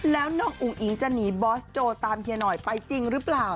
แล้วน้องอุ๋งอิ๋งจะหนีบอสโจตามเฮียหน่อยไปจริงหรือเปล่า